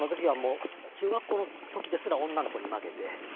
中学校の時ですら女の子に負けて。